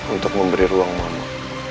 untuk memberi ruang mama